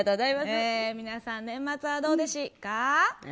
皆さん、年末はどうでしか？